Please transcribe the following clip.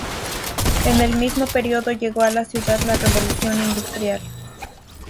En el mismo período llegó a la ciudad la Revolución Industrial.